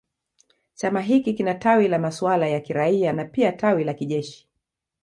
Chama hiki kina tawi la masuala ya kiraia na pia tawi la kijeshi.